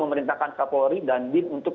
memerintahkan kapolri dan bin untuk